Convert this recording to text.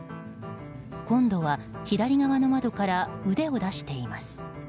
今度は左側の窓から腕を出しています。